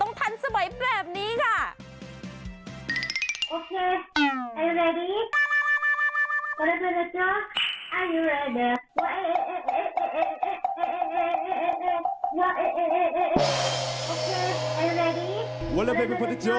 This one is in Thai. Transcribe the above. โอเคแบบนี้ไหม